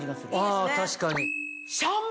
あ確かに。